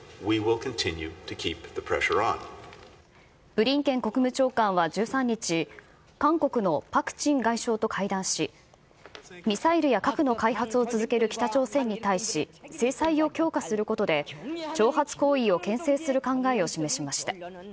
ブリンケン国務長官は１３日、韓国のパク・チン外相と会談し、ミサイルや核の開発を続ける北朝鮮に対し、制裁を強化することで挑発行為をけん制する考えを示しました。